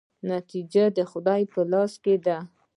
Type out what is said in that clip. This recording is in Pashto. نتیجه د خدای په لاس کې ده؟